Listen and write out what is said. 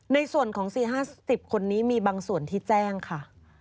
ในส่วนของสี่ห้าสิบคนนี้มีบางส่วนที่แจ้งค่ะ